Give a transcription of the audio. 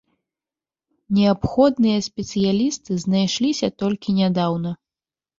Неабходныя спецыялісты знайшліся толькі нядаўна.